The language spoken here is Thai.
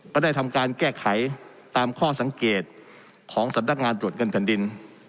ก็ได้ทำการแก้ไขตามข้อสังเกตของสำนักงานตรวจเงินแผ่นดิน